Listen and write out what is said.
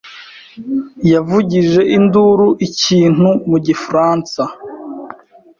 yavugije induru ikintu mu gifaransa.